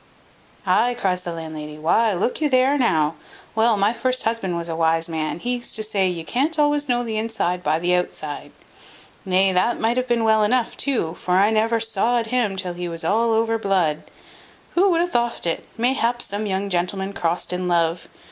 "Ay!" cries the landlady; "why, look you there, now: well, my first husband was a wise man; he used to say, you can't always know the inside by the outside. Nay, that might have been well enough too; for I never saw'd him till he was all over blood. Who would have thoft it? mayhap, some young gentleman crossed in love.